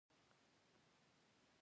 هغه باید وڅښي او ښه خوب وکړي.